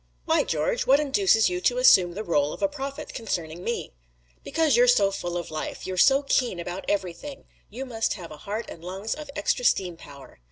"Why, George? What induces you to assume the role of a prophet concerning me?" "Because you're so full of life. You're so keen about everything. You must have a heart and lungs of extra steam power."